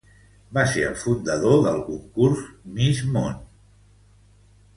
Va ser el fundador del concurs Miss Món.